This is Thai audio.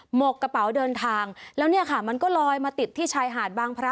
หกกระเป๋าเดินทางแล้วเนี่ยค่ะมันก็ลอยมาติดที่ชายหาดบางพระ